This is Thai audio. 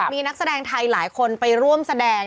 มีนักแสดงไทยหลายคนไปร่วมแสดง